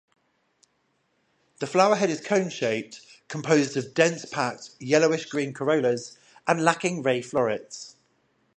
The flower head is cone-shaped, composed of dense-packed yellowish-green corollas, and lacking ray-florets.